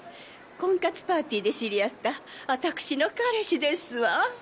婚活パーティーで知り合ったわたくしの彼氏ですわ。